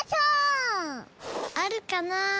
あるかな？